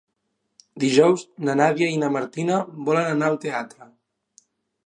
Dijous na Nàdia i na Martina volen anar al teatre.